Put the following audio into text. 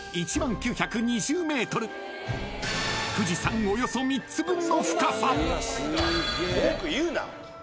［富士山およそ３つ分の深さ］